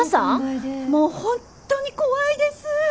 もう本当に怖いです。